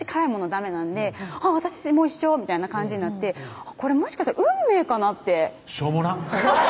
ダメなんで私も一緒みたいな感じになってこれもしかしたら運命かなってしょうもな！